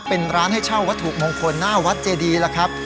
เป็นร้านให้เช่าวัตถุมงคลหน้าวัดเจดีล่ะครับ